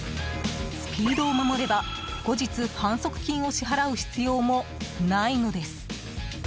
スピードを守れば、後日反則金を支払う必要もないのです。